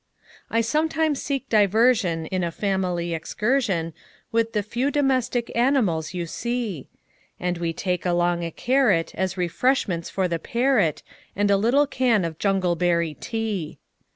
I sometimes seek diversionIn a family excursionWith the few domestic animals you see; And we take along a carrotAs refreshments for the parrot, And a little can of jungleberry tea.